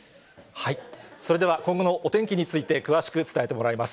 それでは今後のお天気について、詳しく伝えてもらいます。